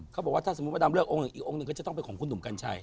เขาบอกว่าถ้าสมมุติว่าดำเลือกองค์หนึ่งอีกองค์หนึ่งก็จะต้องเป็นของคุณหนุ่มกัญชัย